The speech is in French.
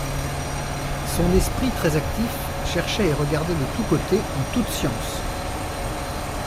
Son esprit, très actif, cherchait et regardait de tous côtés, en toute science.